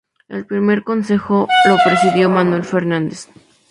El primer concejo lo presidió Manuel Fernández.